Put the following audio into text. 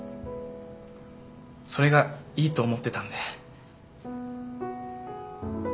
それがいいと思ってたんで。